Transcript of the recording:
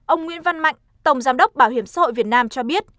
ông nguyễn văn mạnh tổng giám đốc bảo hiểm xã hội việt nam cho biết